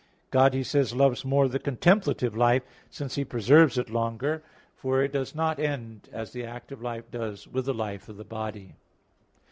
God, he says, loves more the contemplative life, since He preserves it longer. For it does not end, as the active life does, with the life of the body.